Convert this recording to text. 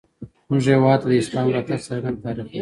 زموږ هېواد ته د اسلام راتګ څرګند تاریخ لري